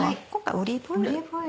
オリーブオイル。